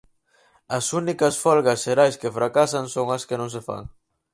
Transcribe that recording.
As únicas folga xerais que fracasan son as que non se fan.